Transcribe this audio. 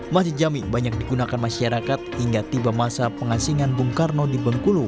masjid jami banyak digunakan masyarakat hingga tiba masa pengasingan bung karno di bengkulu